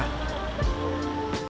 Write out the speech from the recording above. kedai kopi apek